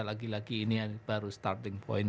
lagi lagi ini baru starting point